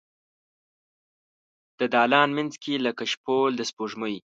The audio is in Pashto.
د دالان مینځ کې لکه شپول د سپوږمۍ